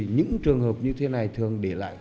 những trường hợp như thế này thường để lại